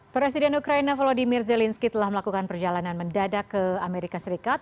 presiden ukraina volodymyr zelensky telah melakukan perjalanan mendadak ke amerika serikat